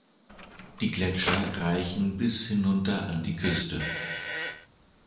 Die Gletscher reichen bis hinunter an die Küste.